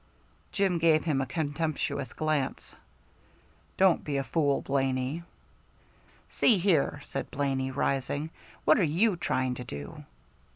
Jim gave him a contemptuous glance. "Don't be a fool, Blaney." "See here," said Blaney, rising; "what are you trying to do?"